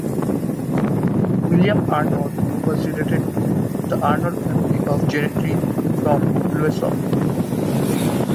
William Arnold was related to the Arnold family of gentry from Lowestoft.